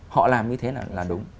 họ làm như thế là đúng